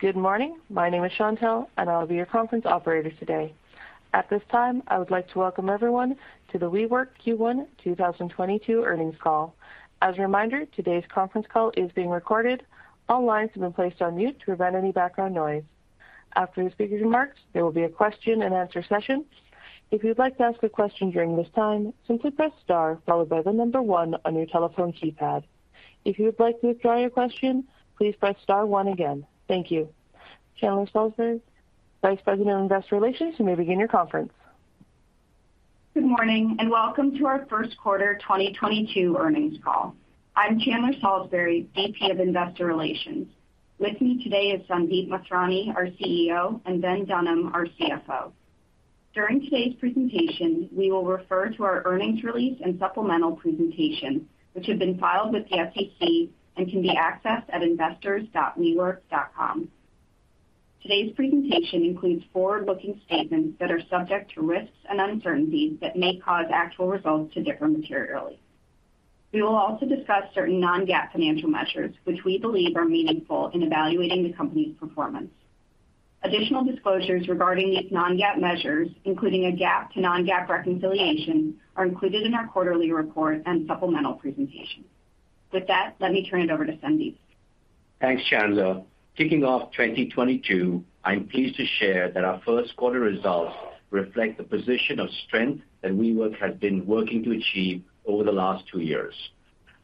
Good morning. My name is Chantelle, and I'll be your conference operator today. At this time, I would like to welcome everyone to the WeWork Q1 2022 earnings call. As a reminder, today's conference call is being recorded. All lines have been placed on mute to prevent any background noise. After the speaker's remarks, there will be a question-and-answer session. If you'd like to ask a question during this time, simply press star followed by the number one on your telephone keypad. If you would like to withdraw your question, please press star one again. Thank you. Chandler Salisbury, Vice President of Investor Relations, you may begin your conference. Good morning, and welcome to our first quarter 2022 earnings call. I'm Chandler Salisbury, VP of Investor Relations. With me today is Sandeep Mathrani, our CEO, and Ben Dunham, our CFO. During today's presentation, we will refer to our earnings release and supplemental presentation, which have been filed with the SEC and can be accessed at investors.wework.com. Today's presentation includes forward-looking statements that are subject to risks and uncertainties that may cause actual results to differ materially. We will also discuss certain non-GAAP financial measures, which we believe are meaningful in evaluating the company's performance. Additional disclosures regarding its non-GAAP measures, including a GAAP to non-GAAP reconciliation, are included in our quarterly report and supplemental presentation. With that, let me turn it over to Sandeep. Thanks, Chandler. Kicking off 2022, I'm pleased to share that our first quarter results reflect the position of strength that WeWork has been working to achieve over the last two years.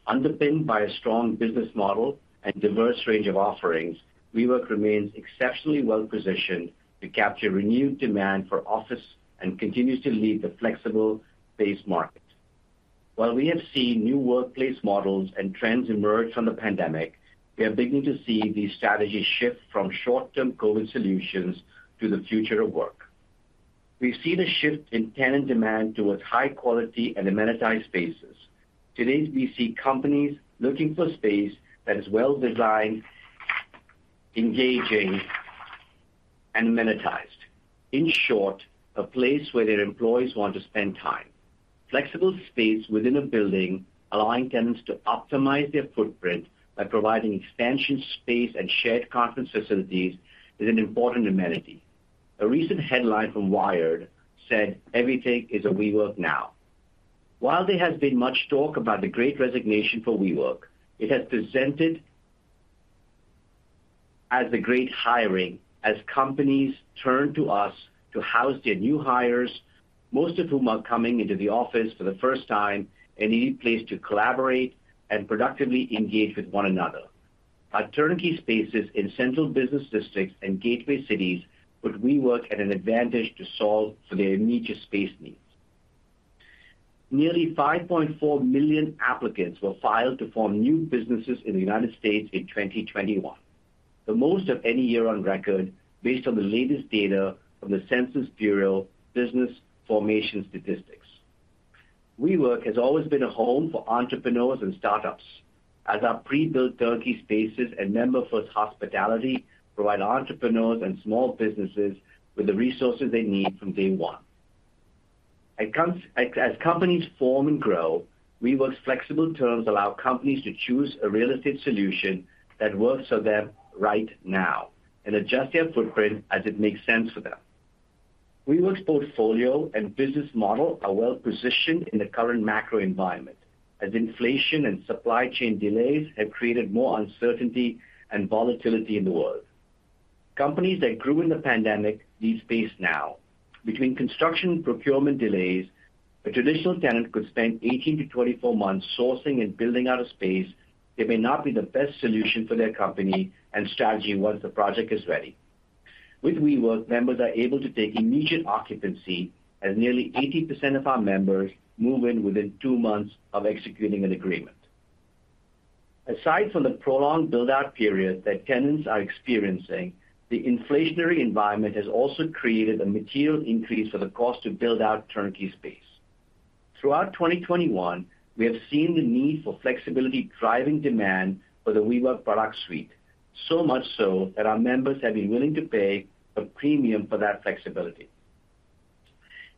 Underpinned by a strong business model and diverse range of offerings, WeWork remains exceptionally well-positioned to capture renewed demand for office and continues to lead the flexible space market. While we have seen new workplace models and trends emerge from the pandemic, we are beginning to see these strategies shift from short-term COVID solutions to the future of work. We see the shift in tenant demand towards high quality and amenitized spaces. Today, we see companies looking for space that is well-designed, engaging, and amenitized. In short, a place where their employees want to spend time. Flexible space within a building, allowing tenants to optimize their footprint by providing expansion space and shared conference facilities is an important amenity. A recent headline from Wired said, "Everything is a WeWork now." While there has been much talk about the great resignation for WeWork, it has presented as the great hiring as companies turn to us to house their new hires, most of whom are coming into the office for the first time, and need a place to collaborate and productively engage with one another. Our turnkey spaces in central business districts and gateway cities put WeWork at an advantage to solve for their immediate space needs. Nearly 5.4 million applicants were filed to form new businesses in the United States in 2021, the most of any year on record based on the latest data from the Census Bureau Business Formation Statistics. WeWork has always been a home for entrepreneurs and startups, as our pre-built turnkey spaces and member first hospitality provide entrepreneurs and small businesses with the resources they need from day one. As companies form and grow, WeWork's flexible terms allow companies to choose a real estate solution that works for them right now and adjust their footprint as it makes sense for them. WeWork's portfolio and business model are well positioned in the current macro environment, as inflation and supply chain delays have created more uncertainty and volatility in the world. Companies that grew in the pandemic need space now. Between construction procurement delays, a traditional tenant could spend 18-24 months sourcing and building out a space that may not be the best solution for their company and strategy once the project is ready. With WeWork, members are able to take immediate occupancy as nearly 80% of our members move in within two months of executing an agreement. Aside from the prolonged build-out period that tenants are experiencing, the inflationary environment has also created a material increase for the cost to build out turnkey space. Throughout 2021, we have seen the need for flexibility driving demand for the WeWork product suite, so much so that our members have been willing to pay a premium for that flexibility.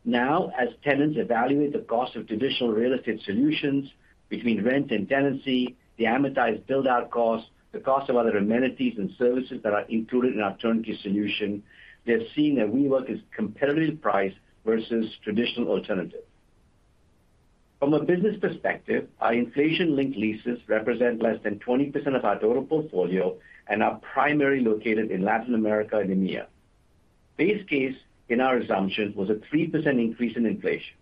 Now, as tenants evaluate the cost of traditional real estate solutions between rent and tenancy, the amortized build-out cost, the cost of other amenities and services that are included in our turnkey solution, they're seeing that WeWork is competitively priced versus traditional alternatives. From a business perspective, our inflation-linked leases represent less than 20% of our total portfolio and are primarily located in Latin America and EMEA. Base case in our assumption was a 3% increase in inflation.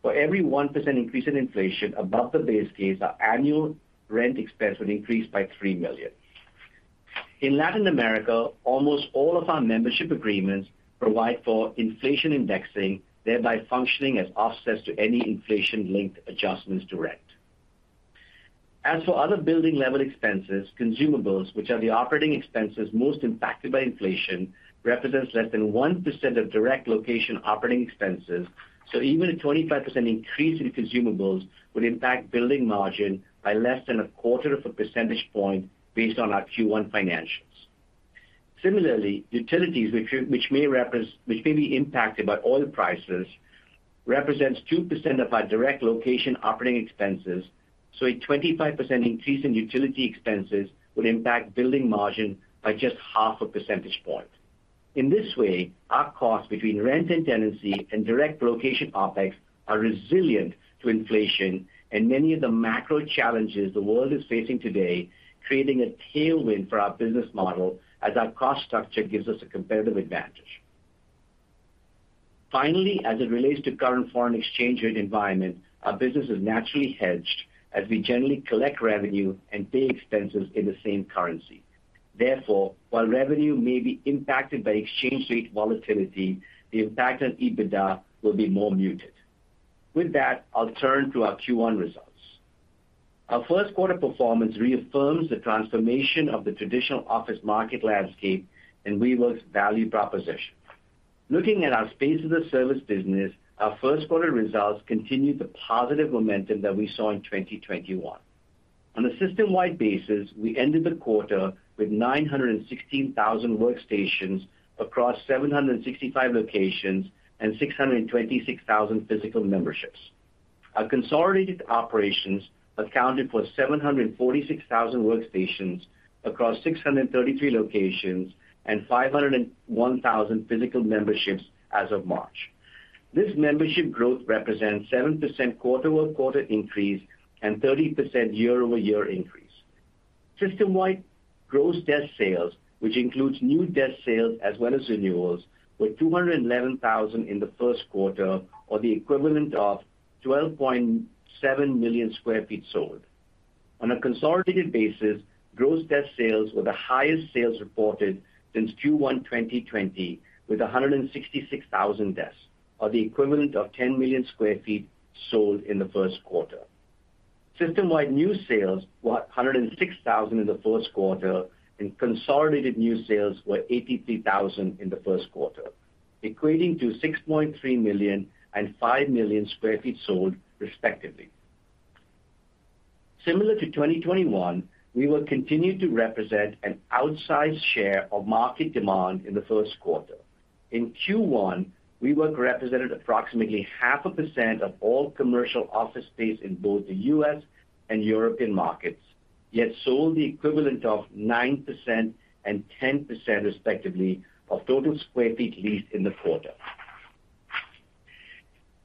For every 1% increase in inflation above the base case, our annual rent expense would increase by $3 million. In Latin America, almost all of our membership agreements provide for inflation indexing, thereby functioning as offsets to any inflation-linked adjustments to rent. As for other building level expenses, consumables, which are the operating expenses most impacted by inflation, represents less than 1% of direct location operating expenses. Even a 25% increase in consumables would impact building margin by less than a quarter of a percentage point based on our Q1 financials. Similarly, utilities, which may be impacted by oil prices, represents 2% of our direct location operating expenses. A 25% increase in utility expenses would impact building margin by just 0.5 percentage point. In this way, our costs between rent and tenancy and direct location OpEx are resilient to inflation and many of the macro challenges the world is facing today, creating a tailwind for our business model as our cost structure gives us a competitive advantage. Finally, as it relates to current foreign exchange rate environment, our business is naturally hedged as we generally collect revenue and pay expenses in the same currency. Therefore, while revenue may be impacted by exchange rate volatility, the impact on EBITDA will be more muted. With that, I'll turn to our Q1 results. Our first quarter performance reaffirms the transformation of the traditional office market landscape and WeWork's value proposition. Looking at our space as a service business, our first quarter results continued the positive momentum that we saw in 2021. On a system-wide basis, we ended the quarter with 916,000 workstations across 765 locations and 626,000 physical memberships. Our consolidated operations accounted for 746,000 workstations across 633 locations and 501,000 physical memberships as of March. This membership growth represents 7% quarter-over-quarter increase and 30% year-over-year increase. System-wide gross desk sales, which includes new desk sales as well as renewals, were 211,000 in the first quarter, or the equivalent of 12.7 million sq ft sold. On a consolidated basis, gross desk sales were the highest sales reported since Q1 2020, with 166,000 desks, or the equivalent of 10 million sq ft sold in the first quarter. System-wide new sales were 106,000 in the first quarter, and consolidated new sales were 83,000 in the first quarter, equating to 6.3 million sq ft and 5 million sq ft sold, respectively. Similar to 2021, we will continue to represent an outsized share of market demand in the first quarter. In Q1, WeWork represented approximately 0.5% of all commercial office space in both the U.S. and European markets, yet sold the equivalent of 9% and 10%, respectively, of total square feet leased in the quarter.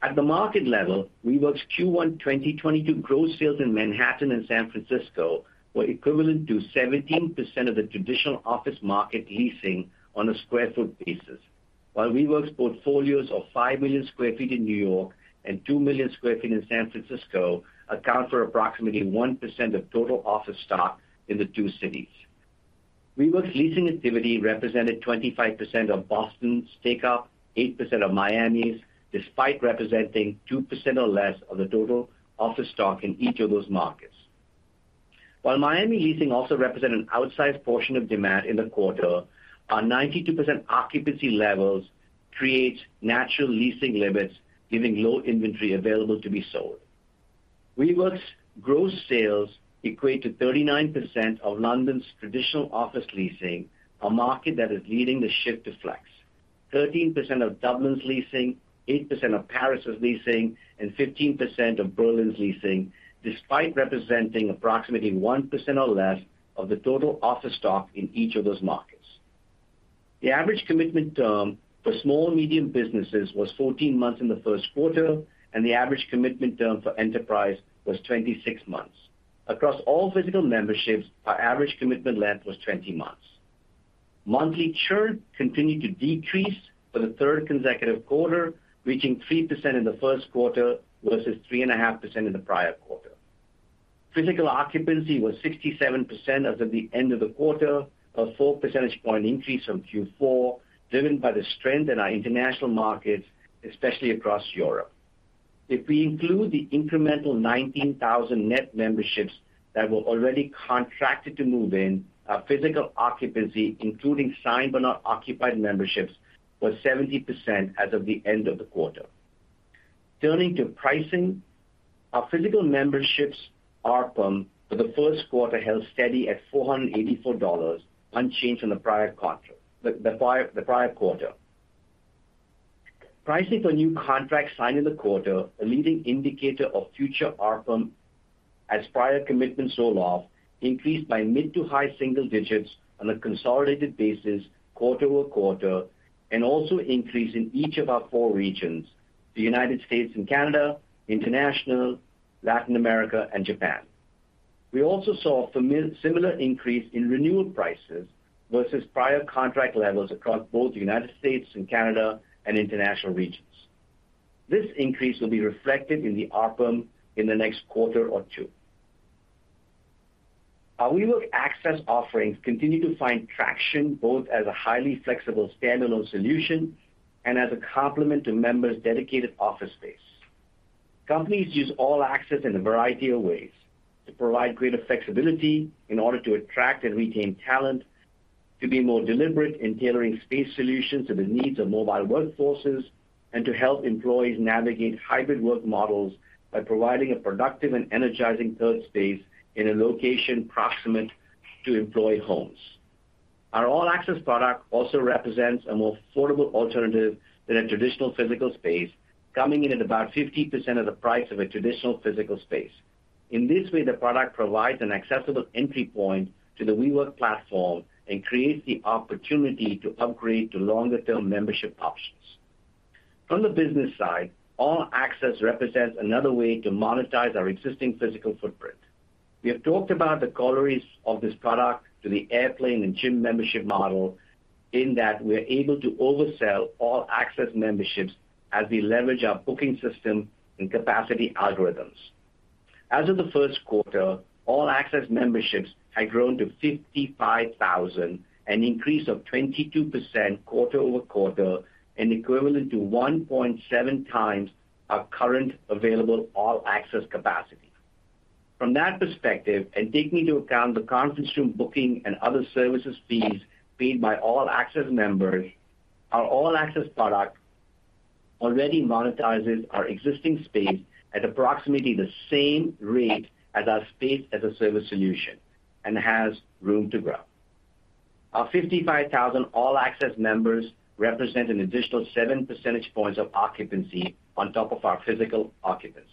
At the market level, WeWork's Q1 2022 gross sales in Manhattan and San Francisco were equivalent to 17% of the traditional office market leasing on a square foot basis. While WeWork's portfolios of 5 million sq ft in New York and 2 million sq ft in San Francisco account for approximately 1% of total office stock in the two cities. WeWork's leasing activity represented 25% of Boston's take up, 8% of Miami's, despite representing 2% or less of the total office stock in each of those markets. While Miami leasing also represent an outsized portion of demand in the quarter, our 92% occupancy levels create natural leasing limits, leaving low inventory available to be sold. WeWork's gross sales equate to 39% of London's traditional office leasing, a market that is leading the shift to flex. 13% of Dublin's leasing, 8% of Paris' leasing, and 15% of Berlin's leasing, despite representing approximately 1% or less of the total office stock in each of those markets. The average commitment term for small and medium businesses was 14 months in the first quarter, and the average commitment term for enterprise was 26 months. Across all physical memberships, our average commitment length was 20 months. Monthly churn continued to decrease for the third consecutive quarter, reaching 3% in the first quarter versus 3.5% in the prior quarter. Physical occupancy was 67% as of the end of the quarter, a 4 percentage point increase from Q4, driven by the strength in our international markets, especially across Europe. If we include the incremental 19,000 net memberships that were already contracted to move in, our physical occupancy, including signed but not occupied memberships, was 70% as of the end of the quarter. Turning to pricing, our physical memberships, ARPM, for the first quarter held steady at $484, unchanged from the prior quarter. Pricing for new contracts signed in the quarter, a leading indicator of future ARPM as prior commitments roll off, increased by mid- to high-single digits on a consolidated basis quarter-over-quarter and also increased in each of our four regions, the United States and Canada, International, Latin America, and Japan. We also saw a similar increase in renewal prices versus prior contract levels across both the United States and Canada and international regions. This increase will be reflected in the ARPM in the next quarter or two. Our WeWork All Access offerings continue to find traction both as a highly flexible standalone solution and as a complement to members' dedicated office space. Companies use All Access in a variety of ways to provide greater flexibility in order to attract and retain talent, to be more deliberate in tailoring space solutions to the needs of mobile workforces, and to help employees navigate hybrid work models by providing a productive and energizing third space in a location proximate to employee homes. Our All Access product also represents a more affordable alternative than a traditional physical space, coming in at about 50% of the price of a traditional physical space. In this way, the product provides an accessible entry point to the WeWork platform and creates the opportunity to upgrade to longer-term membership options. From the business side, All Access represents another way to monetize our existing physical footprint. We have talked about the comparables of this product to the airplane and gym membership model in that we're able to oversell All Access memberships as we leverage our booking system and capacity algorithms. As of the first quarter, All Access memberships had grown to 55,000, an increase of 22% quarter-over-quarter and equivalent to 1.7x our current available All Access capacity. From that perspective, and taking into account the conference room booking and other services fees paid by All Access members, our All Access product already monetizes our existing space at approximately the same rate as our space as a service solution and has room to grow. Our 55,000 All Access members represent an additional 7 percentage points of occupancy on top of our physical occupancy.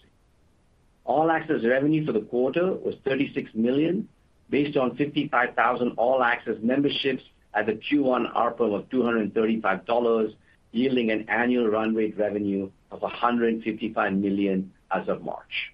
All Access revenue for the quarter was $36 million based on 55,000 All Access memberships at a Q1 ARPM of $235, yielding an annual run rate revenue of $155 million as of March.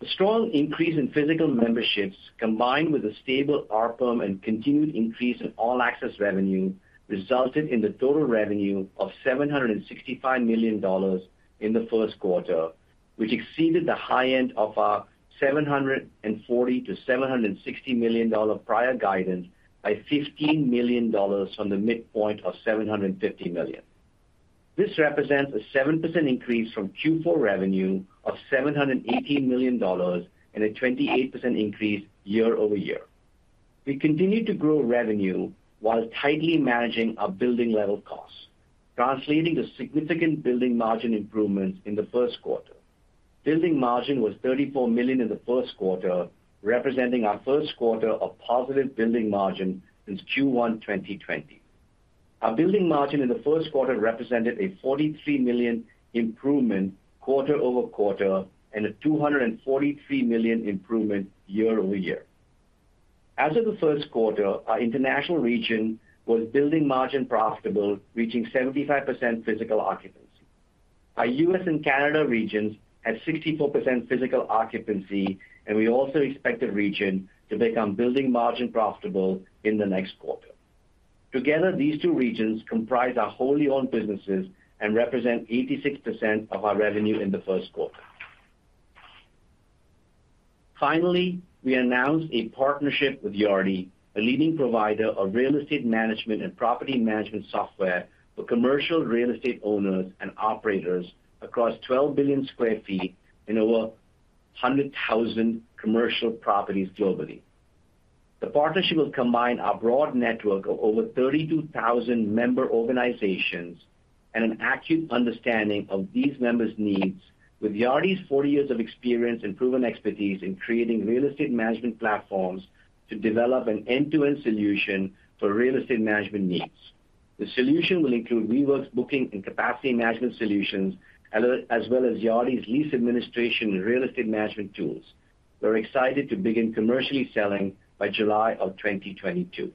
The strong increase in physical memberships, combined with a stable ARPM and continued increase in All Access revenue, resulted in the total revenue of $765 million in the first quarter, which exceeded the high end of our $740 million-$760 million prior guidance by $15 million from the midpoint of $750 million. This represents a 7% increase from Q4 revenue of $780 million and a 28% increase year over year. We continue to grow revenue while tightly managing our building level costs, translating to significant building margin improvements in the first quarter. Building margin was $34 million in the first quarter, representing our first quarter of positive building margin since Q1 2020. Our building margin in the first quarter represented a $43 million improvement quarter-over-quarter and a $243 million improvement year-over-year. As of the first quarter, our international region was building margin profitable, reaching 75% physical occupancy. Our U.S. and Canada regions had 64% physical occupancy, and we also expect the region to become building margin profitable in the next quarter. Together, these two regions comprise our wholly owned businesses and represent 86% of our revenue in the first quarter. Finally, we announced a partnership with Yardi, a leading provider of real estate management and property management software for commercial real estate owners and operators across 12 billion sq ft in over 100,000 commercial properties globally. The partnership will combine our broad network of over 32,000 member organizations and an acute understanding of these members' needs with Yardi's 40 years of experience and proven expertise in creating real estate management platforms to develop an end-to-end solution for real estate management needs. The solution will include WeWork's booking and capacity management solutions, as well as Yardi's lease administration and real estate management tools. We're excited to begin commercially selling by July of 2022.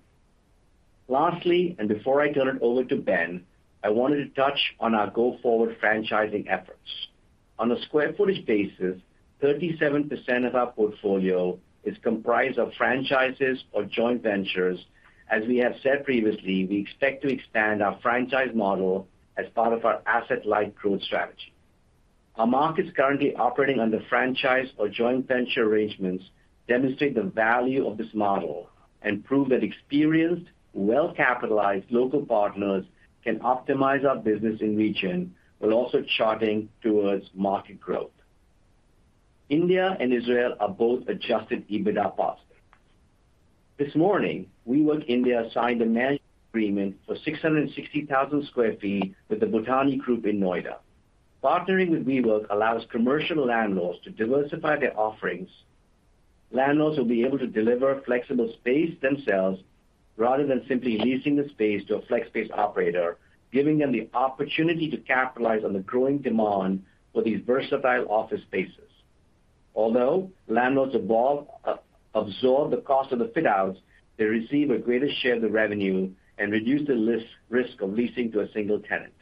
Lastly, before I turn it over to Ben, I wanted to touch on our go-forward franchising efforts. On a square footage basis, 37% of our portfolio is comprised of franchises or joint ventures. As we have said previously, we expect to expand our franchise model as part of our asset-light growth strategy. Our markets currently operating under franchise or joint venture arrangements demonstrate the value of this model and prove that experienced, well-capitalized local partners can optimize our business in region while also charting towards market growth. India and Israel are both adjusted EBITDA positive. This morning, WeWork India signed a management agreement for 660,000 sq ft with the Bhutani Group in Noida. Partnering with WeWork allows commercial landlords to diversify their offerings. Landlords will be able to deliver flexible space themselves rather than simply leasing the space to a flex space operator, giving them the opportunity to capitalize on the growing demand for these versatile office spaces. Although landlords absorb the cost of the fit outs, they receive a greater share of the revenue and reduce the risk of leasing to a single tenant.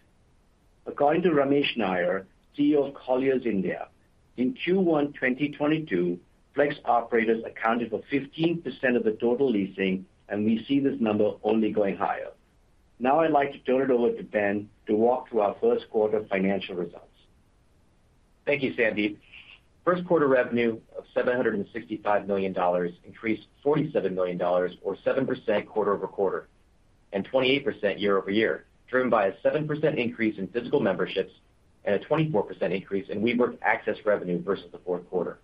According to Ramesh Nair, CEO of Colliers India, in Q1 2022, flex operators accounted for 15% of the total leasing, and we see this number only going higher. Now I'd like to turn it over to Ben to walk through our first quarter financial results. Thank you, Sandeep. First quarter revenue of $765 million increased $47 million or 7% quarter-over-quarter and 28% year-over-year, driven by a 7% increase in physical memberships and a 24% increase in WeWork Access revenue versus the fourth quarter.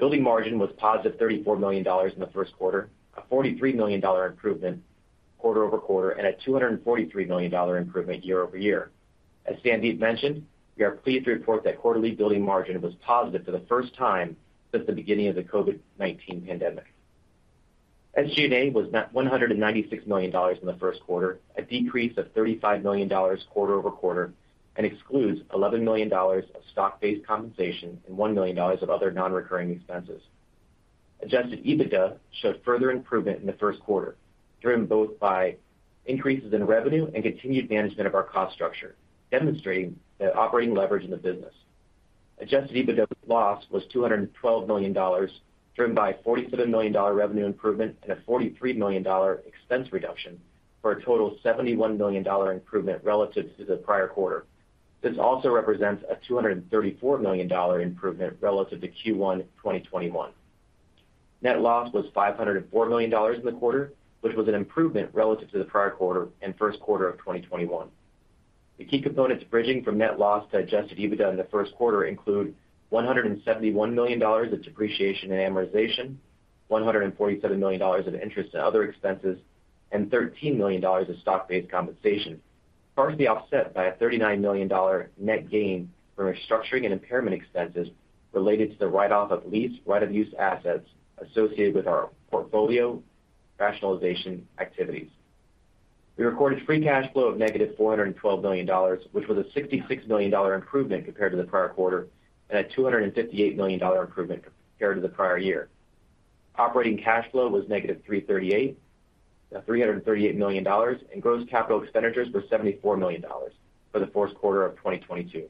Building margin was positive $34 million in the first quarter, a $43 million dollar improvement quarter-over-quarter and a $243 million dollar improvement year-over-year. As Sandeep mentioned, we are pleased to report that quarterly building margin was positive for the first time since the beginning of the COVID-19 pandemic. SG&A was net $196 million in the first quarter, a decrease of $35 million quarter-over-quarter, and excludes $11 million of stock-based compensation and $1 million of other non-recurring expenses. Adjusted EBITDA showed further improvement in the first quarter, driven both by increases in revenue and continued management of our cost structure, demonstrating the operating leverage in the business. Adjusted EBITDA loss was $212 million, driven by a $47 million revenue improvement and a $43 million expense reduction, for a total of $71 million dollar improvement relative to the prior quarter. This also represents a $234 million dollar improvement relative to Q1 2021. Net loss was $504 million in the quarter, which was an improvement relative to the prior quarter and first quarter of 2021. The key components bridging from net loss to adjusted EBITDA in the first quarter include $171 million of depreciation and amortization, $147 million of interest and other expenses, and $13 million of stock-based compensation, partially offset by a $39 million net gain from restructuring and impairment expenses related to the write-off of lease right-of-use assets associated with our portfolio rationalization activities. We recorded Free Cash Flow of negative $412 million, which was a $66 million improvement compared to the prior quarter and a $258 million improvement compared to the prior year. Operating cash flow was negative $338 million, and gross capital expenditures were $74 million for the first quarter of 2022.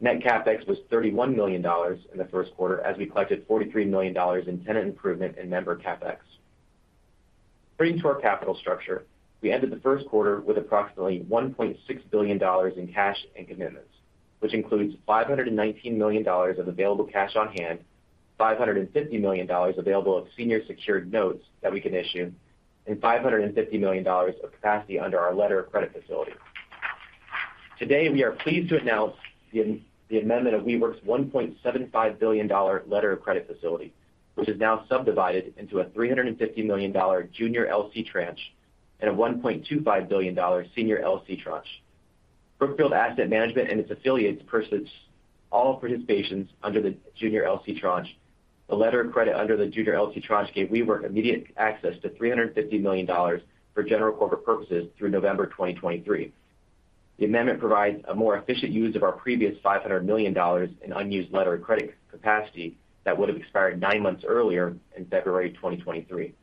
Net CapEx was $31 million in the first quarter as we collected $43 million in tenant improvement and member CapEx. Turning to our capital structure, we ended the first quarter with approximately $1.6 billion in cash and commitments, which includes $519 million of available cash on hand, $550 million available of senior secured notes that we can issue, and $550 million of capacity under our letter of credit facility. Today, we are pleased to announce the amendment of WeWork's $1.75 billion letter of credit facility, which is now subdivided into a $350 million junior LC tranche and a $1.25 billion senior LC tranche. Brookfield Asset Management and its affiliates purchase all participations under the junior LC tranche. The letter of credit under the junior LC tranche gave WeWork immediate access to $350 million for general corporate purposes through November 2023. The amendment provides a more efficient use of our previous $500 million in unused letter of credit capacity that would have expired nine months earlier in February 2023.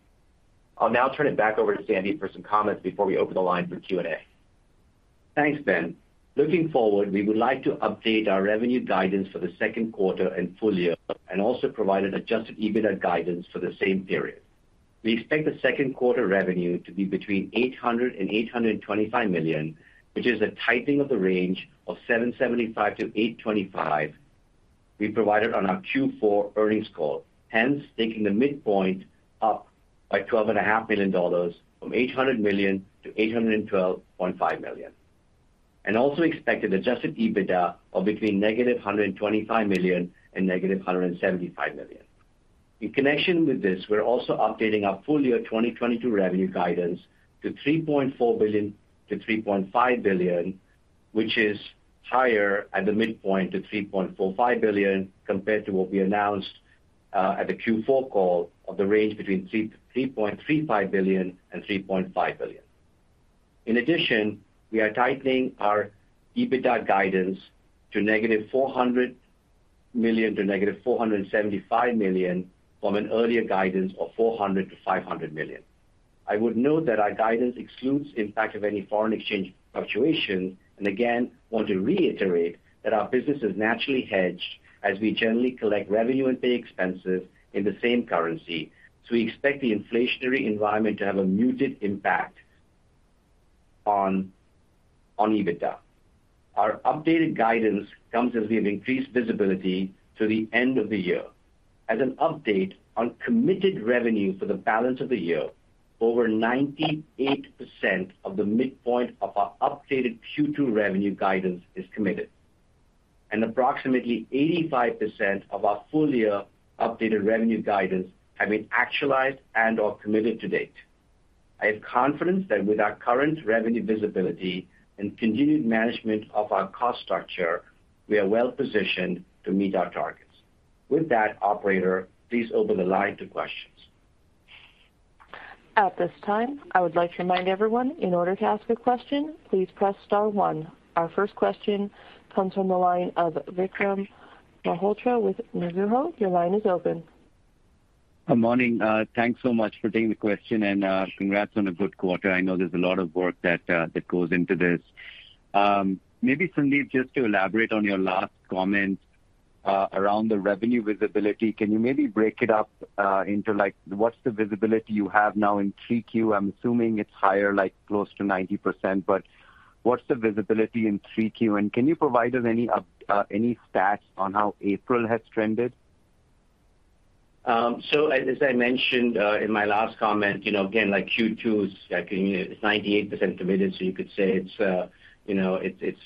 I'll now turn it back over to Sandeep for some comments before we open the line for Q&A. Thanks, Ben. Looking forward, we would like to update our revenue guidance for the second quarter and full year, and also provide an adjusted EBITDA guidance for the same period. We expect the second quarter revenue to be between $800 million and $825 million, which is a tightening of the range of $775 million-$825 million we provided on our Q4 earnings call. Hence, taking the midpoint up by $12.5 million from $800 million to $812.5 million. Also expect an adjusted EBITDA of between -$125 million and -$175 million. In connection with this, we're also updating our full year 2022 revenue guidance to $3.4 billion-$3.5 billion, which is higher at the midpoint to $3.45 billion compared to what we announced at the Q4 call of the range between $3.35 billion and $3.5 billion. In addition, we are tightening our EBITDA guidance to -$400 million to -$475 million from an earlier guidance of $400 million to $500 million. I would note that our guidance excludes impact of any foreign exchange fluctuation, and again, want to reiterate that our business is naturally hedged as we generally collect revenue and pay expenses in the same currency. We expect the inflationary environment to have a muted impact on EBITDA. Our updated guidance comes as we have increased visibility to the end of the year. As an update on committed revenue for the balance of the year, over 98% of the midpoint of our updated Q2 revenue guidance is committed, and approximately 85% of our full year updated revenue guidance have been actualized and/or committed to date. I have confidence that with our current revenue visibility and continued management of our cost structure, we are well positioned to meet our targets. With that, operator, please open the line to questions. At this time, I would like to remind everyone in order to ask a question, please press star one. Our first question comes from the line of Vikram Malhotra with Mizuho. Your line is open. Good morning. Thanks so much for taking the question and, congrats on a good quarter. I know there's a lot of work that goes into this. Maybe Sandeep, just to elaborate on your last comment, around the revenue visibility, can you maybe break it up, into like what's the visibility you have now in 3Q? I'm assuming it's higher, like close to 90%, but what's the visibility in 3Q? And can you provide us any stats on how April has trended? As I mentioned in my last comment, again, like Q2 is, I think it's 98% committed, so you could say it's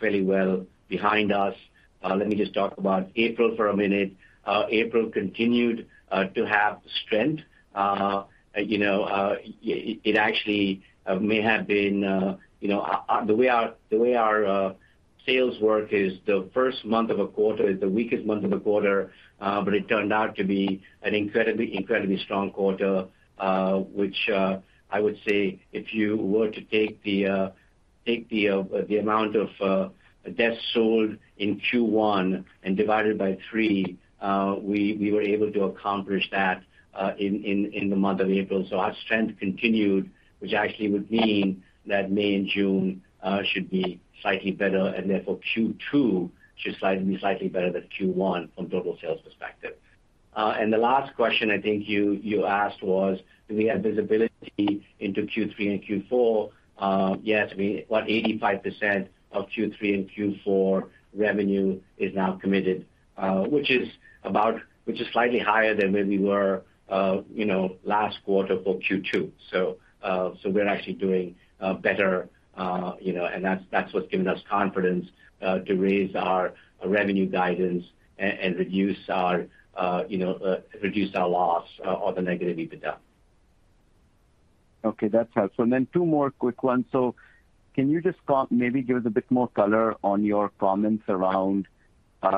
fairly well behind us. Let me just talk about April for a minute. April continued to have strength. You know, it actually may have been, you know. The way our sales work is the first month of a quarter is the weakest month of the quarter, but it turned out to be an incredibly strong quarter, which I would say if you were to take the amount of desks sold in Q1 and divide it by three, we were able to accomplish that in the month of April. Our strength continued, which actually would mean that May and June should be slightly better, and therefore Q2 should be slightly better than Q1 from total sales perspective. The last question I think you asked was do we have visibility into Q3 and Q4? Yes, about 85% of Q3 and Q4 revenue is now committed, which is slightly higher than where we were, you know, last quarter for Q2. We're actually doing better, you know, and that's what's given us confidence to raise our revenue guidance and reduce our loss or the negative EBITDA. Okay, that helps. Two more quick ones. Can you just maybe give us a bit more color on your comments around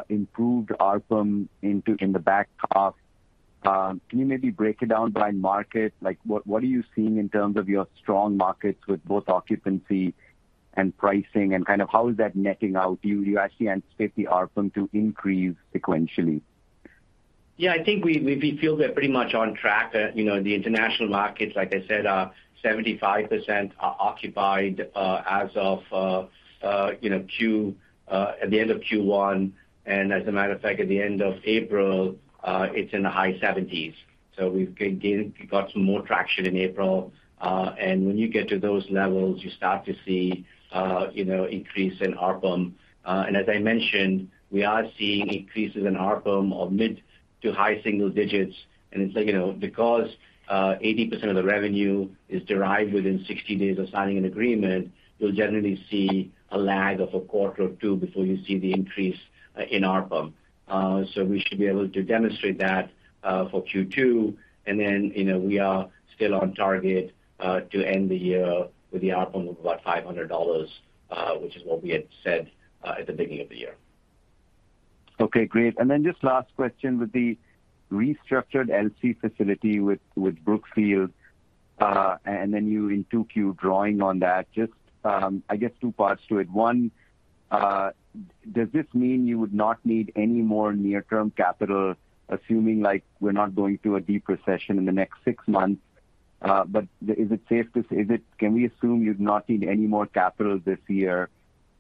improved ARPM in the back half? Can you maybe break it down by market? Like, what are you seeing in terms of your strong markets with both occupancy and pricing? Kind of, how is that netting out? Do you actually anticipate the ARPM to increase sequentially? Yeah, I think we feel we're pretty much on track. You know, the international markets, like I said, are 75% occupied as of the end of Q1. As a matter of fact, at the end of April, it's in the high 70%s. We've got some more traction in April. When you get to those levels, you start to see an increase in ARPM. As I mentioned, we are seeing increases in ARPM of mid to high single digits. It's like, you know, because 80% of the revenue is derived within 60 days of signing an agreement, you'll generally see a lag of a quarter or two before you see the increase in ARPM. We should be able to demonstrate that for Q2. You know, we are still on target to end the year with the ARPM of about $500, which is what we had said at the beginning of the year. Okay, great. Just last question, with the restructured LC facility with Brookfield, and then you in 2Q drawing on that, just, I guess two parts to it. One, does this mean you would not need any more near-term capital, assuming, like, we're not going through a deep recession in the next six months? But is it safe to say can we assume you've not seen any more capital this year?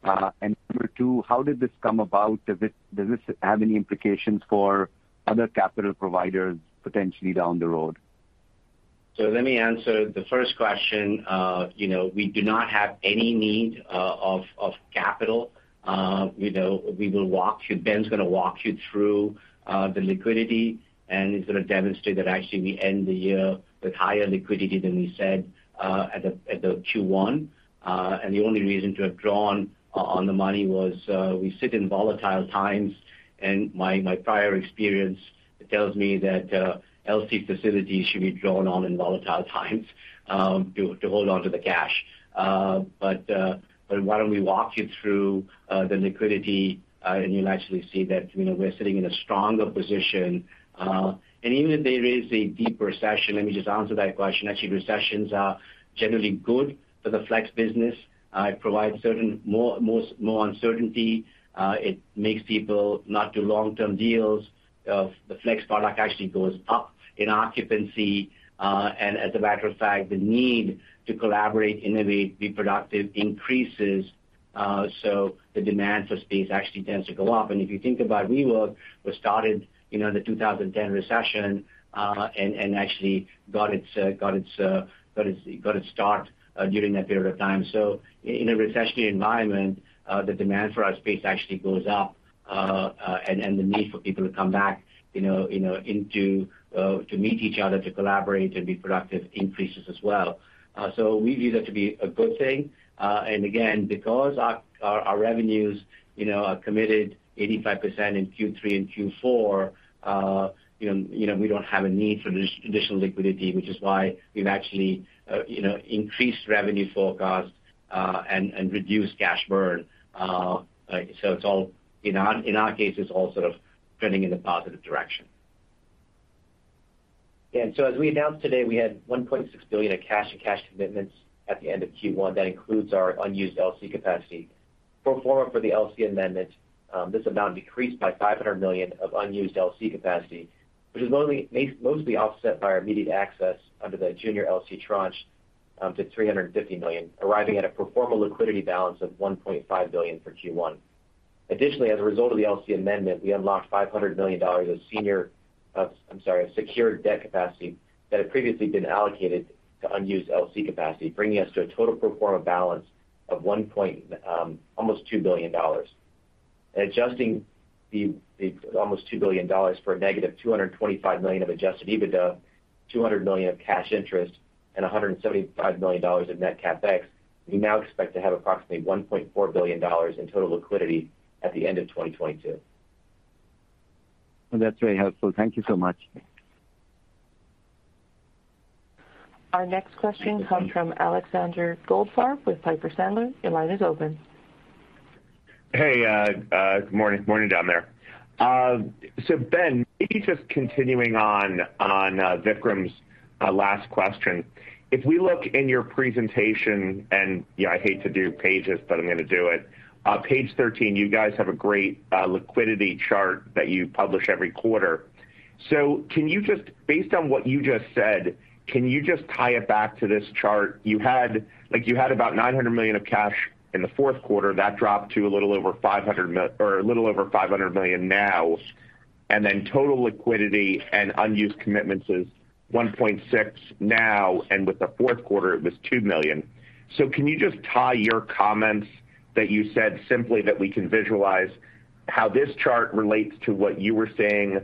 And number two, how did this come about? Does this have any implications for other capital providers potentially down the road? Let me answer the first question. You know, we do not have any need of capital. You know, we will walk you, Ben's gonna walk you through the liquidity, and he's gonna demonstrate that actually we end the year with higher liquidity than we said at the Q1. The only reason to have drawn on the money was we sit in volatile times, and my prior experience tells me that LC facilities should be drawn on in volatile times to hold onto the cash. Why don't we walk you through the liquidity, and you'll actually see that, you know, we're sitting in a stronger position. Even if there is a deep recession, let me just answer that question. Actually, recessions are generally good for the Flex business. It provides more uncertainty. It makes people not do long-term deals. The Flex product actually goes up in occupancy. As a matter of fact, the need to collaborate, innovate, be productive increases, so the demand for space actually tends to go up. If you think about WeWork, which started, you know, in the 2010 recession, and actually got its start during that period of time. In a recessionary environment, the demand for our space actually goes up, and the need for people to come back, you know, into to meet each other, to collaborate, to be productive increases as well. We view that to be a good thing. Again, because our revenues, you know, are committed 85% in Q3 and Q4, you know, we don't have a need for this additional liquidity, which is why we've actually, you know, increased revenue forecast and reduced cash burn. In our case, it's all sort of trending in a positive direction. As we announced today, we had $1.6 billion of cash and cash commitments at the end of Q1. That includes our unused LC capacity. Pro forma for the LC amendment, this amount decreased by $500 million of unused LC capacity, which is mostly offset by our immediate access under the junior LC tranche to $350 million, arriving at a pro forma liquidity balance of $1.5 billion for Q1. Additionally, as a result of the LC amendment, we unlocked $500 million of secured debt capacity that had previously been allocated to unused LC capacity, bringing us to a total pro forma balance of almost $2 billion. Adjusting the almost $2 billion for negative $225 million of adjusted EBITDA, $200 million of cash interest, and $175 million of net CapEx, we now expect to have approximately $1.4 billion in total liquidity at the end of 2022. Well, that's very helpful. Thank you so much. Our next question comes from Alexander Goldfarb with Piper Sandler. Your line is open. Hey, good morning down there. Ben, maybe just continuing on, Vikram's last question. If we look in your presentation, I hate to do pages, but I'm gonna do it. On page 13, you guys have a great liquidity chart that you publish every quarter. Can you just, based on what you just said, can you just tie it back to this chart? You had, like, about $900 million of cash in the fourth quarter. That dropped to a little over $500 million now. Total liquidity and unused commitments is $1.6 billion now, and with the fourth quarter it was $2 billion. Can you just tie your comments that you said simply that we can visualize how this chart relates to what you were saying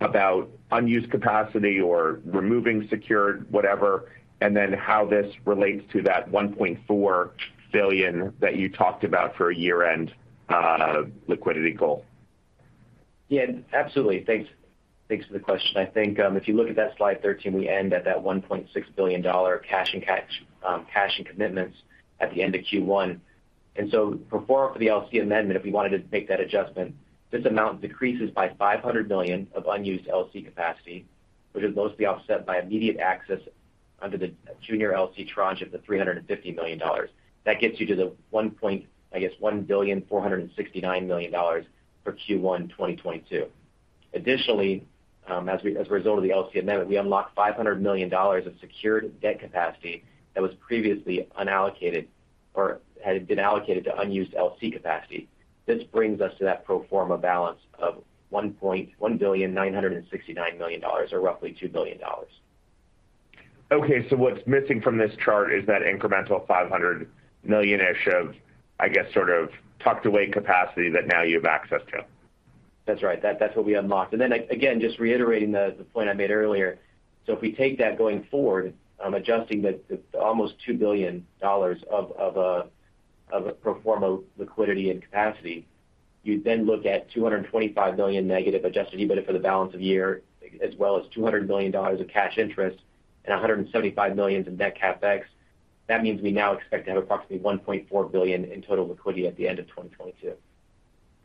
about unused capacity or removing secured whatever, and then how this relates to that $1.4 billion that you talked about for a year-end liquidity goal? Yeah, absolutely. Thanks. Thanks for the question. I think, if you look at that slide 13, we end at that $1.6 billion cash and cash equivalents at the end of Q1. Pro forma for the LC amendment, if we wanted to make that adjustment, this amount decreases by $500 million of unused LC capacity, which is mostly offset by immediate access under the junior LC tranche of the $350 million. That gets you to the, I guess, $1.469 billion for Q1 2022. Additionally, as a result of the LC amendment, we unlocked $500 million of secured debt capacity that was previously unallocated or had been allocated to unused LC capacity. This brings us to that pro forma balance of $1.969 billion dollars or roughly $2 billion. What's missing from this chart is that incremental $500 million-ish of, I guess, sort of tucked away capacity that now you have access to. That's right. That's what we unlocked. Then again, just reiterating the point I made earlier. If we take that going forward, adjusting the almost $2 billion of a pro forma liquidity and capacity, you then look at $225 million negative adjusted EBITDA for the balance of the year, as well as $200 million of cash interest and $175 million in net CapEx. That means we now expect to have approximately $1.4 billion in total liquidity at the end of 2022.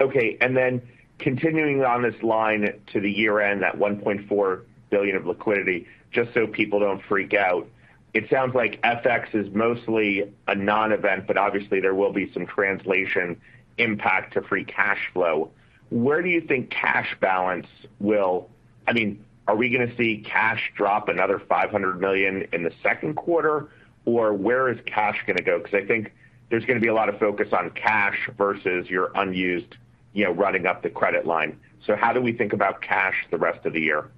Okay. Continuing on this line to the year-end, that $1.4 billion of liquidity, just so people don't freak out, it sounds like FX is mostly a non-event, but obviously there will be some translation impact to Free Cash Flow. Where do you think cash balance will? I mean, are we gonna see cash drop another $500 million in the second quarter? Or where is cash gonna go? Because I think there's gonna be a lot of focus on cash versus your unused, running up the credit line. So how do we think about cash the rest of the year?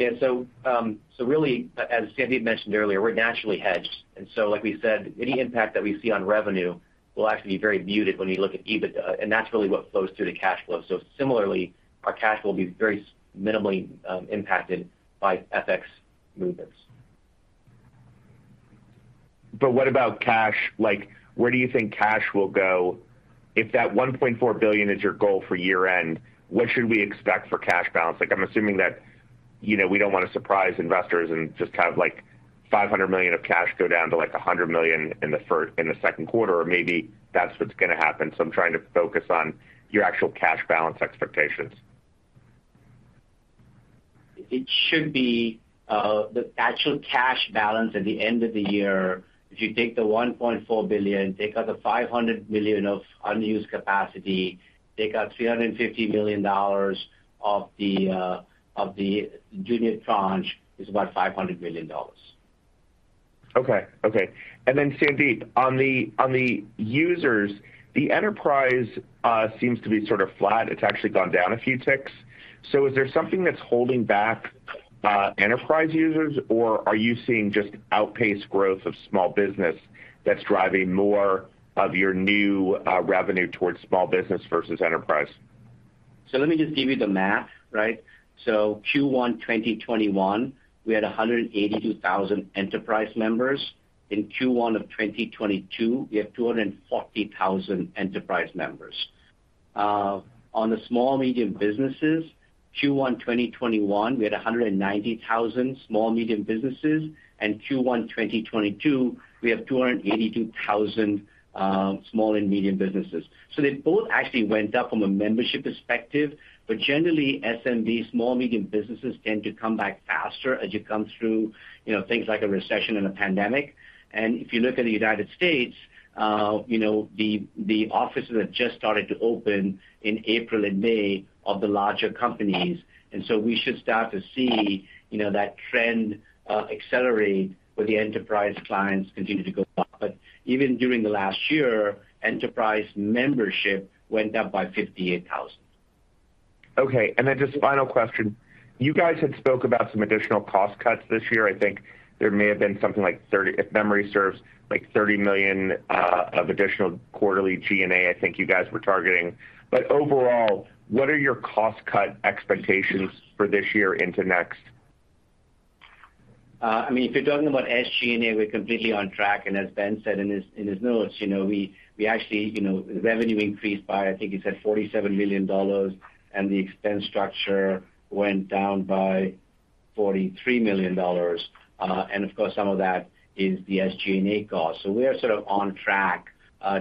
Yeah. Really, as Sandeep mentioned earlier, we're naturally hedged. Like we said, any impact that we see on revenue will actually be very muted when you look at EBITDA, and that's really what flows through the cash flow. Similarly, our cash will be very minimally impacted by FX movements. What about cash? Like, where do you think cash will go? If that $1.4 billion is your goal for year-end, what should we expect for cash balance? Like, I'm assuming that, you know, we don't wanna surprise investors and just have, like, $500 million of cash go down to, like, $100 million in the second quarter, or maybe that's what's gonna happen. I'm trying to focus on your actual cash balance expectations. It should be the actual cash balance at the end of the year, if you take the $1.4 billion, take out the $500 million of unused capacity, take out $350 million of the junior tranche, is about $500 million. Okay. Sandeep, on the users, the enterprise seems to be sort of flat. It's actually gone down a few ticks. Is there something that's holding back enterprise users, or are you seeing just outpaced growth of small business that's driving more of your new revenue towards small business versus enterprise? Let me just give you the math, right? Q1, 2021, we had 182,000 enterprise members. In Q1 of 2022, we have 240,000 enterprise members. On the small, medium businesses, Q1, 2021, we had 190,000 small, medium businesses, and Q1, 2022, we have 282,000 small and medium businesses. They both actually went up from a membership perspective. But generally, SMB, small, medium businesses tend to come back faster as you come through, things like a recession and a pandemic. If you look at the United States, you know, the offices have just started to open in April and May of the larger companies. We should start to see, that trend accelerate with the enterprise clients continue to go up. Even during the last year, enterprise membership went up by 58,000. Okay. Just final question. You guys had spoke about some additional cost cuts this year. I think there may have been something like $30 million, if memory serves, like $30 million of additional quarterly SG&A, I think you guys were targeting. Overall, what are your cost cut expectations for this year into next? I mean, if you're talking about SG&A, we're completely on track. As Ben said in his notes, we actually, you know, revenue increased by, I think he said $47 million, and the expense structure went down by $43 million. And of course, some of that is the SG&A cost. We are sort of on track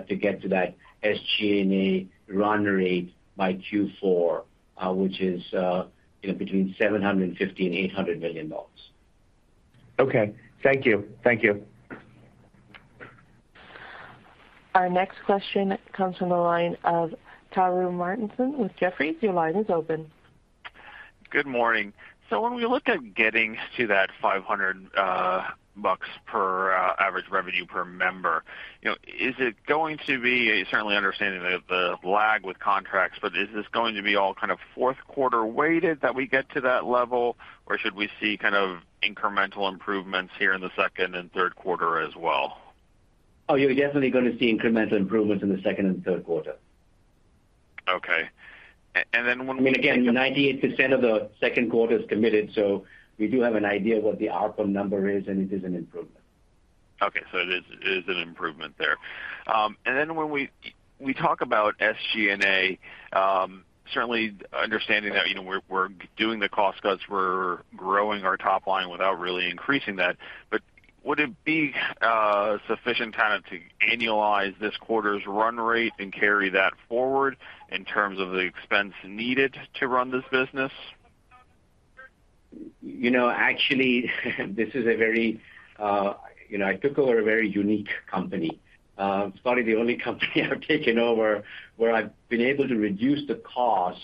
to get to that SG&A run rate by Q4, which is, you know, between $750 million and $800 million. Okay. Thank you. Thank you. Our next question comes from the line of Karru Martinson with Jefferies. Your line is open. Good morning. When we look at getting to that $500 per average revenue per member, you're certainly understanding the lag with contracts, but is this going to be all kind of fourth quarter weighted that we get to that level, or should we see kind of incremental improvements here in the second and third quarter as well? Oh, you're definitely gonna see incremental improvements in the second and third quarter. Okay. When we... I mean, again, 98% of the second quarter is committed, so we do have an idea what the outcome number is, and it is an improvement. Okay. It is an improvement there. When we talk about SG&A, certainly understanding that, we're doing the cost cuts, we're growing our top line without really increasing that. Would it be sufficient kind of to annualize this quarter's run rate and carry that forward in terms of the expense needed to run this business? Actually, this is a very, you know, I took over a very unique company. It's probably the only company I've taken over where I've been able to reduce the cost.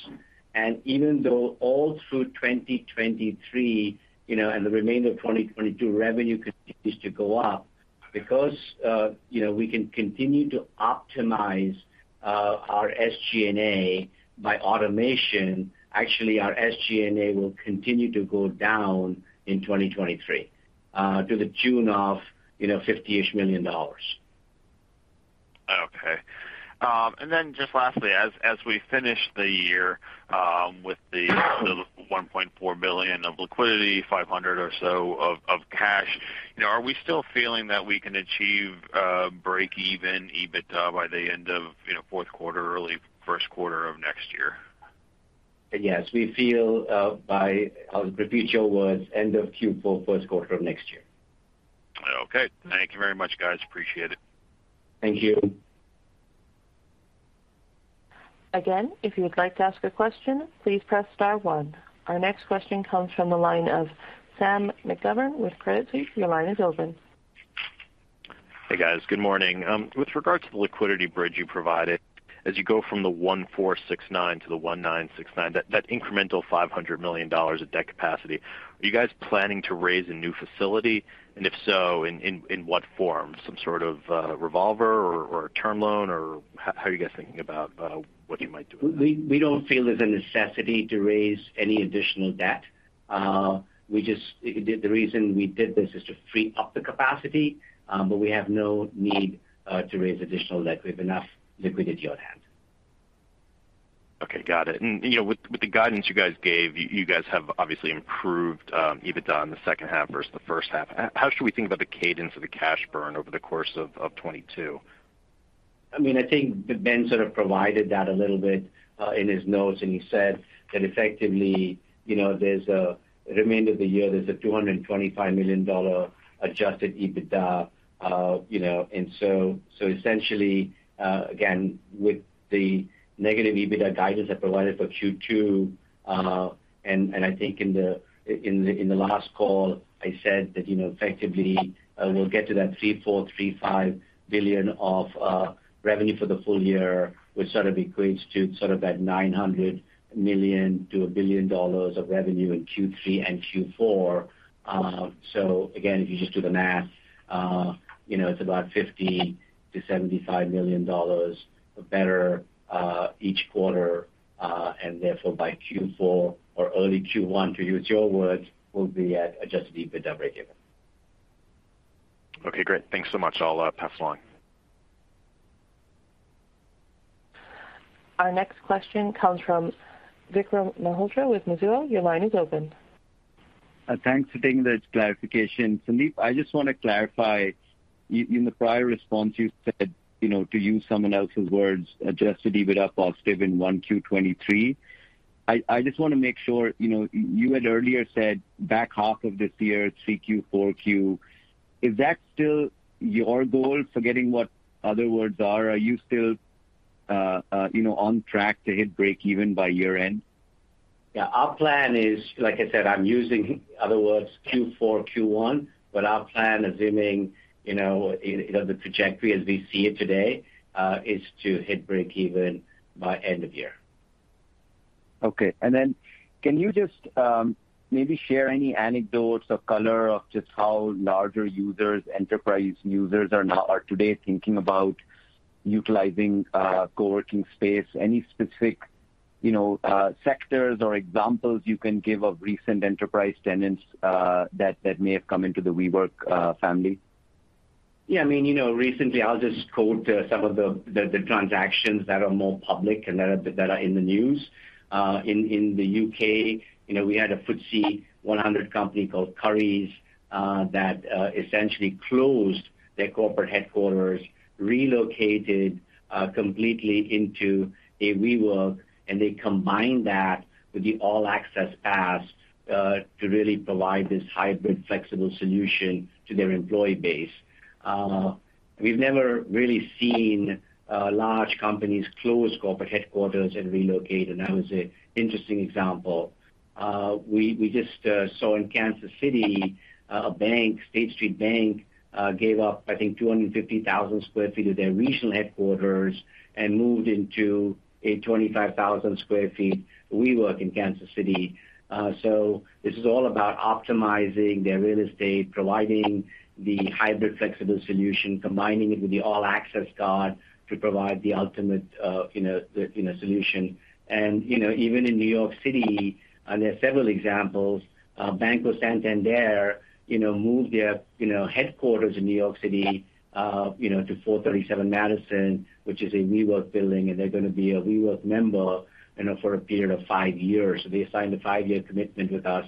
Even though all through 2023, you know, and the remainder of 2022 revenue continues to go up, because, we can continue to optimize, our SG&A by automation, actually, our SG&A will continue to go down in 2023, to the tune of, you know, $50 million -ish. Just lastly, as we finish the year, with the $1.4 billion of liquidity, $500 million or so of cash, are we still feeling that we can achieve breakeven EBITDA by the end of, you know, fourth quarter, early first quarter of next year? Yes. We feel, by, I'll repeat your words, end of Q4, first quarter of next year. Okay. Thank you very much, guys. Appreciate it. Thank you. Again, if you would like to ask a question, please press star one. Our next question comes from the line of Sam McGovern with UBS. Your line is open. Hey, guys. Good morning. With regards to the liquidity bridge you provided, as you go from the $1,469 billion to the $1,969 billion, that incremental $500 million of debt capacity, are you guys planning to raise a new facility? If so, in what form? Some sort of revolver or a term loan, or how are you guys thinking about what you might do with that? We don't feel there's a necessity to raise any additional debt. The reason we did this is to free up the capacity, but we have no need to raise additional debt. We have enough liquidity on hand. Okay, got it. You know, with the guidance you guys gave, you guys have obviously improved EBITDA in the second half versus the first half. How should we think about the cadence of the cash burn over the course of 2022? I mean, I think Ben sort of provided that a little bit in his notes, and he said that effectively, you know, for the remainder of the year, there's a $225 million adjusted EBITDA, you know. So essentially, again, with the negative EBITDA guidance I provided for Q2, and I think in the last call, I said that, you know, effectively, we'll get to that $3.4 billion-$3.5 billion of revenue for the full year, which sort of equates to sort of that $900 million-$1 billion of revenue in Q3 and Q4. Again, if you just do the math, you know, it's about $50 million-$75 million better each quarter, and therefore by Q4 or early Q1, to use your words, we'll be at adjusted EBITDA breakeven. Okay, great. Thanks so much. I'll pass along. Our next question comes from Vikram Malhotra with Mizuho. Your line is open. Thanks for taking this clarification. Sandeep, I just wanna clarify. In the prior response, you said, you know, to use someone else's words, adjusted EBITDA positive in 1Q23. I just wanna make sure, you had earlier said back half of this year, 3Q, 4Q. Is that still your goal, forgetting what other words are? Are you still on track to hit breakeven by year-end? Yeah. Our plan is, like I said, I'm using other words, Q4, Q1, but our plan, assuming the trajectory as we see it today, is to hit breakeven by end of year. Okay. Can you just maybe share any anecdotes or color of just how larger users, enterprise users are today thinking about utilizing co-working space. Any specific, you know, sectors or examples you can give of recent enterprise tenants that may have come into the WeWork family? Yeah, I mean, recently I'll just quote some of the transactions that are more public and that are in the news. In the U.K., you know, we had a FTSE 100 company called Currys that essentially closed their corporate headquarters, relocated completely into a WeWork, and they combined that with the All Access pass to really provide this hybrid flexible solution to their employee base. We've never really seen large companies close corporate headquarters and relocate, and that was an interesting example. We just saw in Kansas City a bank, State Street, gave up I think 250,000 sq ft of their regional headquarters and moved into a 25,000 sq ft WeWork in Kansas City. This is all about optimizing their real estate, providing the hybrid flexible solution, combining it with the all-access card to provide the ultimate solution. You know, even in New York City, and there are several examples. Banco Santander, moved their headquarters in New York City, to 437 Madison, which is a WeWork building, and they're gonna be a WeWork member, you know, for a period of five years. So they signed a five year commitment with us.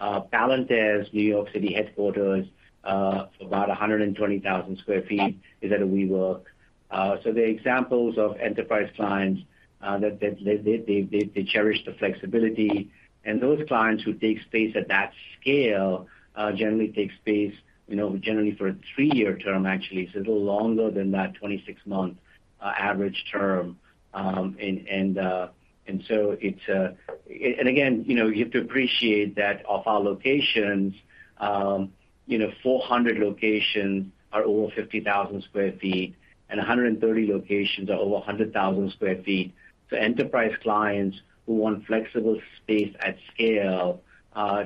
Palantir's New York City headquarters, about 120,000 sq ft is at a WeWork. So they're examples of enterprise clients that cherish the flexibility. Those clients who take space at that scale generally take space, you know, generally for a three-year term actually, so a little longer than that 26-month average term. Again, you have to appreciate that of our locations, you know, 400 locations are over 50,000 sq ft, and 130 locations are over 100,000 sq ft. For enterprise clients who want flexible space at scale,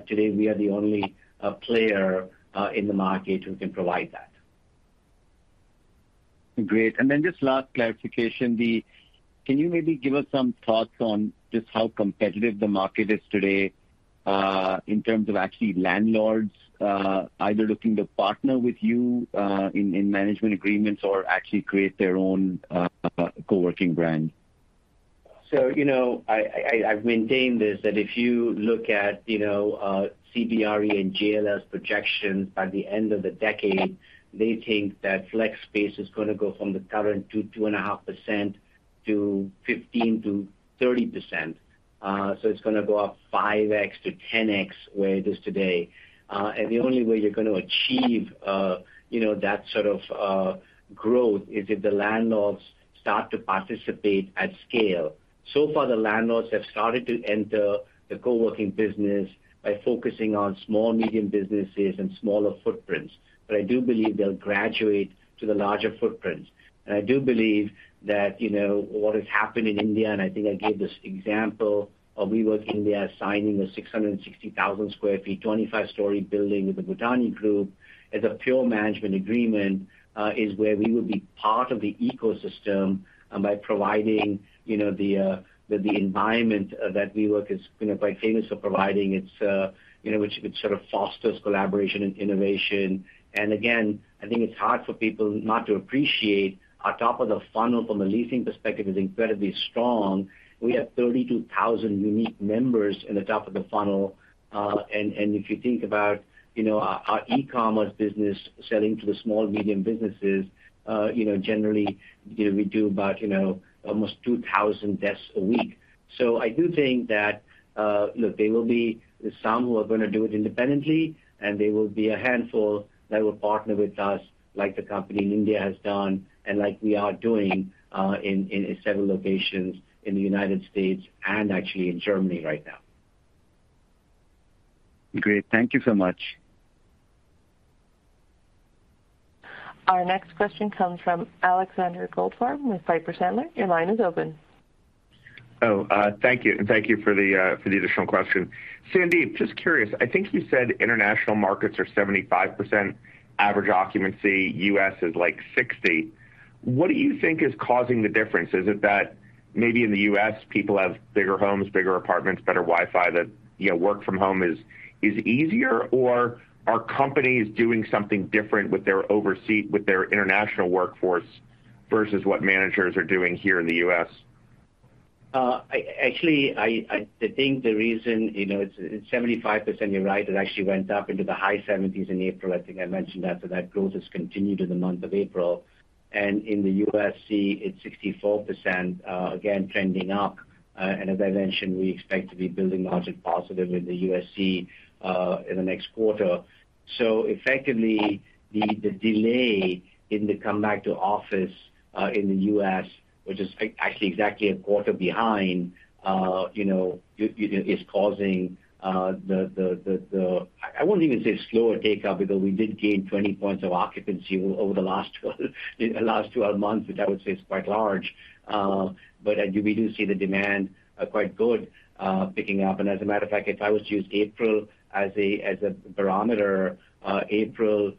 today we are the only player in the market who can provide that. Great. Just last clarification. Can you maybe give us some thoughts on just how competitive the market is today, in terms of actually landlords, either looking to partner with you, in management agreements or actually create their own, co-working brand? I've maintained this, that if you look at, you know, CBRE and JLL projections at the end of the decade, they think that flex space is gonna go from the current 2.5% to 15%-30%. It's gonna go up 5x-10x where it is today. The only way you're gonna achieve that sort of growth is if the landlords start to participate at scale. So far, the landlords have started to enter the coworking business by focusing on small, medium businesses and smaller footprints. I do believe they'll graduate to the larger footprints. I do believe that, you know, what has happened in India, and I think I gave this example of WeWork India signing a 660,000 sq ft, 25-story building with the Bhutani Group as a pure management agreement, is where we will be part of the ecosystem, by providing, you know, the environment that WeWork is quite famous for providing. Which sort of fosters collaboration and innovation. Again, I think it's hard for people not to appreciate our top of the funnel from a leasing perspective is incredibly strong. We have 32,000 unique members in the top of the funnel. If you think about our e-commerce business selling to the small, medium businesses. Generally, we do about almost 2000 desks a week. I do think that, look, there will be some who are gonna do it independently, and there will be a handful that will partner with us like the company in India has done and like we are doing, in several locations in the United States and actually in Germany right now. Great. Thank you so much. Our next question comes from Alexander Goldfarb with Piper Sandler. Your line is open. Thank you for the additional question. Sandeep, just curious, I think you said international markets are 75% average occupancy, U.S. is like 60%. What do you think is causing the difference? Is it that maybe in the U.S. people have bigger homes, bigger apartments, better Wi-Fi, that work from home is easier? Are companies doing something different with their international workforce versus what managers are doing here in the U.S.? Actually, I think the reason, you know, it's 75%, you're right, it actually went up into the high 70%s in April. I think I mentioned that. That growth has continued in the month of April. In the U.S. and Canada, it's 64%, again, trending up. And as I mentioned, we expect to be billing margin positive in the U.S. and Canada in the next quarter. Effectively, the delay in the come back to office in the U.S., which is actually exactly a quarter behind, you know, you is causing the. I wouldn't even say slower take-up because we did gain 20 points of occupancy over the last 12 months, which I would say is quite large. But we do see the demand quite good picking up. As a matter of fact, if I was to use April as a barometer, April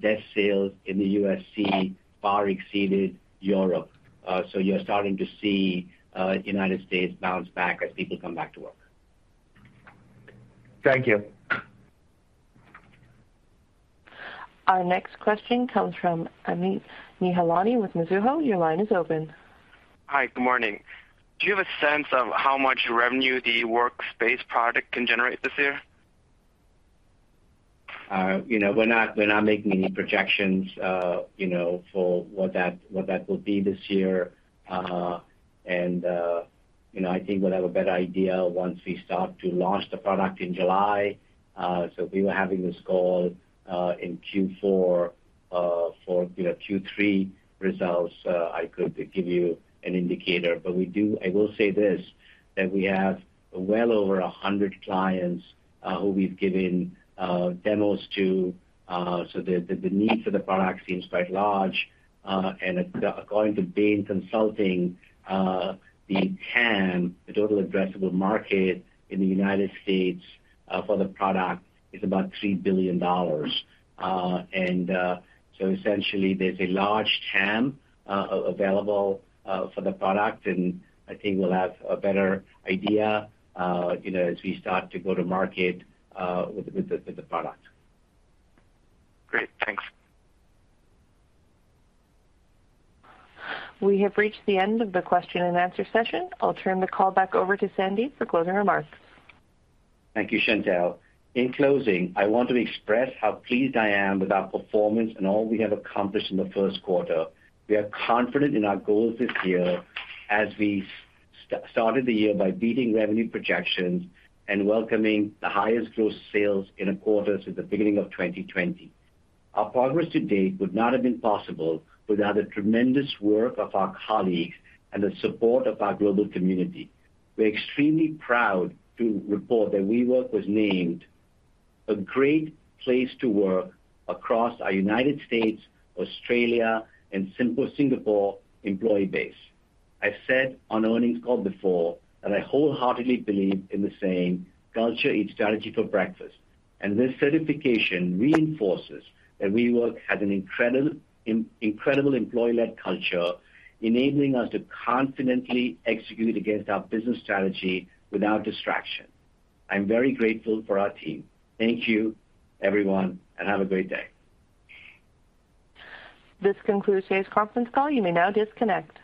desk sales in the U.S. and Canada far exceeded Europe. You're starting to see United States bounce back as people come back to work. Thank you. Our next question comes from Vikram Malhotra with Mizuho. Your line is open. Hi, good morning. Do you have a sense of how much revenue the workspace product can generate this year? You know, we're not making any projections, for what that will be this year. I think we'll have a better idea once we start to launch the product in July. If we were having this call in Q4 for Q3 results, I could give you an indicator. I will say this, that we have well over 100 clients who we've given demos to, so the need for the product seems quite large. According to Bain & Company, the TAM, the total addressable market in the United States, for the product is about $3 billion. Essentially there's a large TAM available for the product, and I think we'll have a better idea, you know, as we start to go to market with the product. Great. Thanks. We have reached the end of the question and answer session. I'll turn the call back over to Sandy for closing remarks. Thank you, Chantelle. In closing, I want to express how pleased I am with our performance and all we have accomplished in the first quarter. We are confident in our goals this year as we started the year by beating revenue projections and welcoming the highest gross sales in a quarter since the beginning of 2020. Our progress to date would not have been possible without the tremendous work of our colleagues and the support of our global community. We're extremely proud to report that WeWork was named a Great Place To Work across our United States, Australia, and Singapore employee base. I've said on earnings call before, and I wholeheartedly believe in the saying, "Culture eats strategy for breakfast." This certification reinforces that WeWork has an incredible employee-led culture, enabling us to confidently execute against our business strategy without distraction. I'm very grateful for our team. Thank you, everyone, and have a great day. This concludes today's conference call. You may now disconnect.